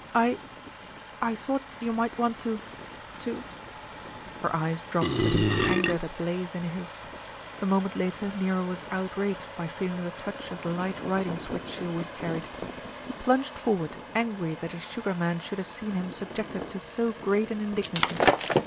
"I I thought you might want to, to " Her eyes dropped beneath the anger that blazed in his. A moment later Nero was outraged by feeling the touch of the light riding switch she always carried. He plunged forward, angry that his Sugar Man should have seen him subjected to so great an indignity.